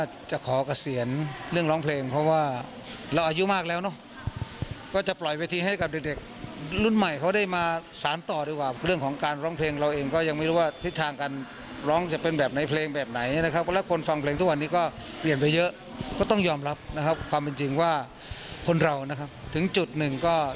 จะขอเกษียณเรื่องร้องเพลงเพราะว่าเราอายุมากแล้วเนอะก็จะปล่อยเวทีให้กับเด็กเด็กรุ่นใหม่เขาได้มาสารต่อดีกว่าเรื่องของการร้องเพลงเราเองก็ยังไม่รู้ว่าทิศทางการร้องจะเป็นแบบไหนเพลงแบบไหนนะครับแล้วคนฟังเพลงทุกวันนี้ก็เปลี่ยนไปเยอะก็ต้องยอมรับนะครับความเป็นจริงว่าคนเรานะครับถึงจุดหนึ่งก็